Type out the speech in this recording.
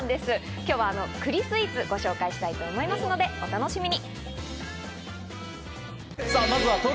今日は栗スイーツをご紹介したいと思いますのでお楽しみに。